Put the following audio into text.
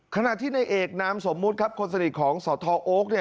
ขณะที่ในเอกนามสมมุติครับคนสนิทของสทโอ๊ค